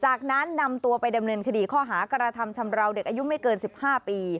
จากนั้นนำตัวไปดำเนินคดีข้อหากระทำชำราวเด็กอายุไม่เกิน๑๕ปี